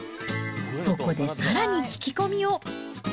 そこでさらに聞き込みを。